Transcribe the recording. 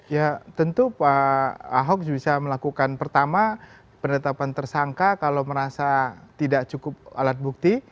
ya tentu pak ahok bisa melakukan pertama penetapan tersangka kalau merasa tidak cukup alat bukti